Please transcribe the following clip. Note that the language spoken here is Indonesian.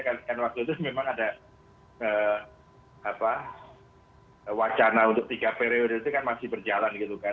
karena kan waktu itu memang ada wacana untuk tiga periode itu kan masih berjalan gitu kan